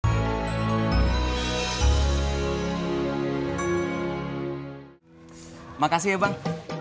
terima kasih ya bang